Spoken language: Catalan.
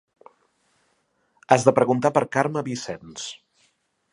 Has de preguntar per Carme Vicenç.